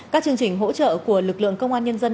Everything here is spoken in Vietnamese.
các chương trình hỗ trợ của lực lượng công an nhân dân